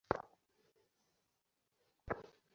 যেমনটা আমরা বরাবরই করে এসেছি।